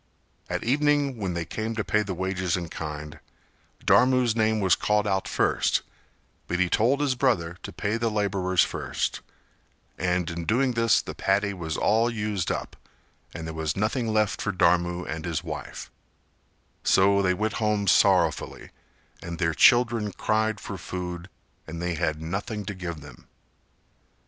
At evening when they came to pay the wages in kind, Dharmu's name was called out first, but he told his brother to pay the labourers first, and in doing this the paddy was all used up and there was nothing left for Dharmu and his wife; so they went home sorrowfully and their children cried for food and they had nothing to give them.